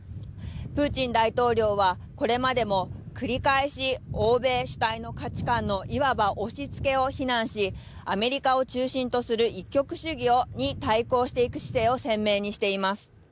プーチン大統領はこれまでも繰り返し欧米主体の価値観のいわば押しつけを非難しアメリカを中心とする一極主義に対抗していく姿勢を鮮明にしています。